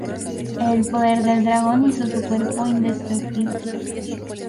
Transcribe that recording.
El poder del dragón hizo su cuerpo indestructible.